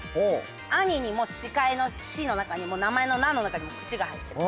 「兄」にも司会の「司」の中にも名前の「名」の中にも「口」が入ってる。